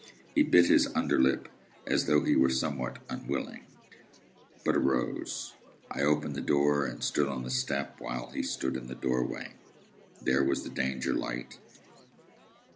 He bit his under lip as though he were somewhat unwilling, but arose. I opened the door, and stood on the step, while he stood in the doorway. There was the Danger light.